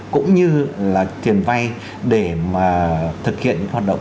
cũng như là tiền vay để mà thực hiện những hoạt động